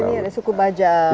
jadi disini ada suku bajau